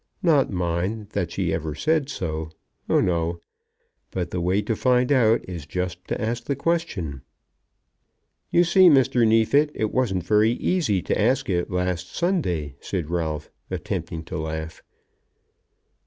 Not, mind, that she ever said so. Oh, no. But the way to find out is just to ask the question." "You see, Mr. Neefit, it wasn't very easy to ask it last Sunday," said Ralph, attempting to laugh.